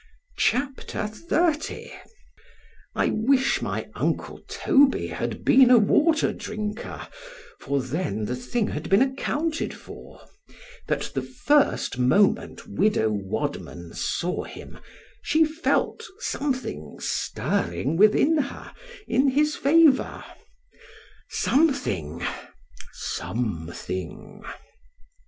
C H A P. XXX I WISH my uncle Toby had been a water drinker; for then the thing had been accounted for, That the first moment Widow Wadman saw him, she felt something stirring within her in his favour—Something!—something.